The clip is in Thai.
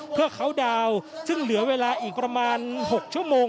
เพื่อเขาดาวน์ซึ่งเหลือเวลาอีกประมาณ๖ชั่วโมง